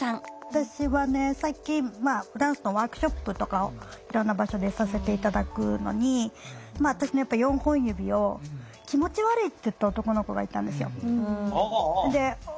私はね最近ダンスのワークショップとかをいろんな場所でさせて頂くのに私の４本指を気持ち悪いって言った男の子がいたんですよ。